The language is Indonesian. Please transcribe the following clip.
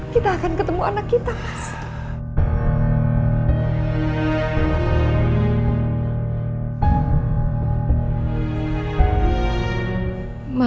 kita akan ketemu anak kita